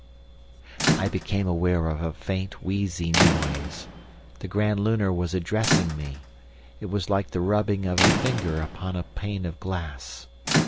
"I became aware of a faint wheezy noise. The Grand Lunar was addressing me. It was like the rubbing of a finger upon a pane of glass.